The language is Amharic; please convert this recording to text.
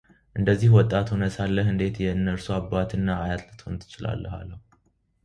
እንደዚህ ወጣት ሆነህ ሳለህ እንዴት የእነርሱ አባትና አያት ልትሆን ትችላለህ አለው፡፡